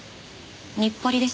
日暮里です。